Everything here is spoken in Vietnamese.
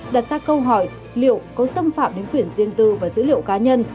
đặt ra câu hỏi liệu có xâm phạm đến quyền riêng tư và dữ liệu cá nhân